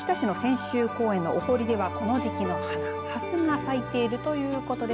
秋田市の泉州公園のおほりではこの時期の花、蓮が咲いているということです。